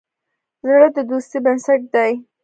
زړه د دوستی بنسټ دی.